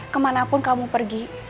kemana pun kamu pergi